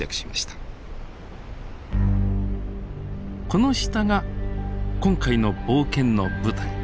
この下が今回の冒険の舞台